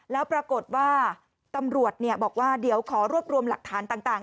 แล้วปรากฏว่าตำรวจบอกว่าเดี๋ยวขอรวบรวมหลักฐานต่าง